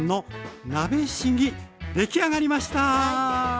出来上がりました。